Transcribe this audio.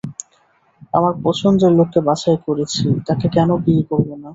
আমার পছন্দের লোককে বাছাই করেছি, তাকে কেন বিয়ে করবো না?